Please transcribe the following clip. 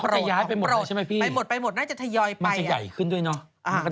เขาจะย้ายไปหมดแล้วใช่ไหมพี่มันจะใหญ่ขึ้นด้วยเนอะ